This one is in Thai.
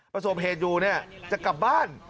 ประสบเหตุอยู่เนี่ยจะกลับบ้าน